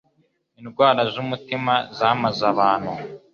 indwara z'umutima zamaze abantu